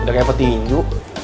udah kayak petinju